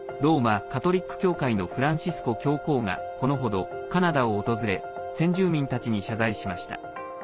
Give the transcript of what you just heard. ローマ・カトリック教会のフランシスコ教皇がこのほど、カナダを訪れ先住民たちに謝罪しました。